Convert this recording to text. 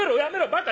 バカ！